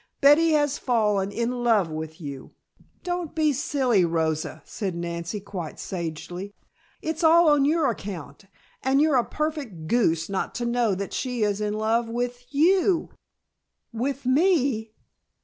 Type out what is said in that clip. Betty has fallen in love with you " "Don't be silly, Rosa," said Nancy quite sagely. "It's all on your account and you're a perfect goose not to know that she is in love with you!" "With me!